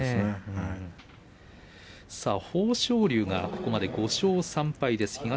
豊昇龍がここまで５勝３敗です